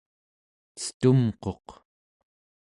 cetumquq